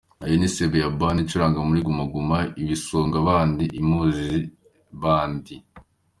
Ayo ni Sebeya Band icuranga muri Guma Guma; Ibisonga Bandi; Imuzi Bandi;.